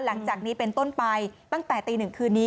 หลังจากนี้เป็นต้นไปตั้งแต่ตีหนึ่งคืนนี้